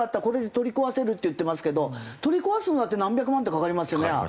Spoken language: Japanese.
これで取り壊せるって言ってますけど取り壊すのだって何百万とかかりますよね？